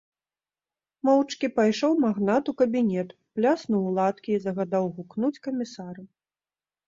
Моўчкі пайшоў магнат у кабінет, пляснуў у ладкі і загадаў гукнуць камісара.